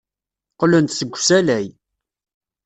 Qqlen-d seg usalay.